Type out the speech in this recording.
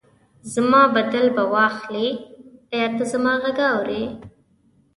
زما بدل به واخلي، ایا ته زما غږ اورې؟